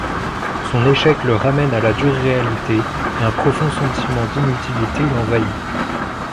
Son échec le ramène à la dure réalité et un profond sentiment d’inutilité l’envahit.